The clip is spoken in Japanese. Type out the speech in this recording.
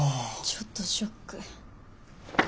ちょっとショック。